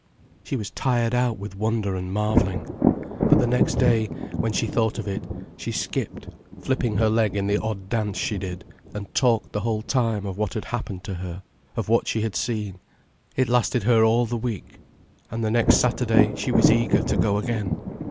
She was tired out with wonder and marvelling. But the next day, when she thought of it, she skipped, flipping her leg in the odd dance she did, and talked the whole time of what had happened to her, of what she had seen. It lasted her all the week. And the next Saturday she was eager to go again.